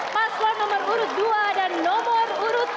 paslon nomor urut dua dan nomor urut dua